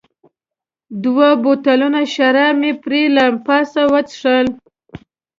دوه بوتلونه شراب مو پرې له پاسه وڅښل.